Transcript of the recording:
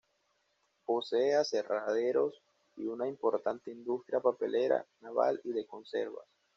Posee aserraderos y una importante industria papelera, naval y de conservas.